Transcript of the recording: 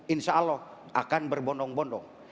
insya allah akan berbondong bondong